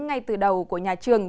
ngay từ đầu của nhà trường